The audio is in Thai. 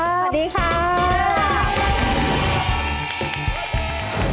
สวัสดีครับ